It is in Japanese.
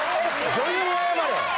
女優に謝れ！